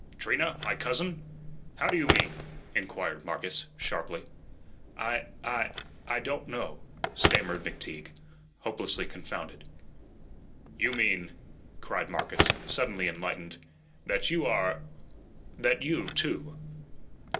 "Trina, my cousin? How do you mean?" inquired Marcus sharply. "I I I don' know," stammered McTeague, hopelessly confounded. "You mean," cried Marcus, suddenly enlightened, "that you are that you, too."